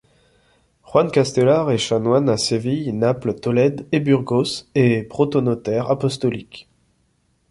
Juan Castellar est chanoine à Séville, Naples, Tolède et Burgos et est protonotaire apostolique.